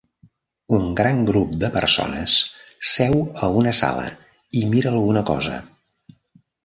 Un gran grup de persones seu a una sala i mira alguna cosa.